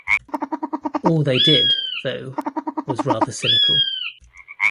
All they did, though, was rather cynical.